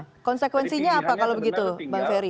nah konsekuensinya apa kalau begitu bang ferry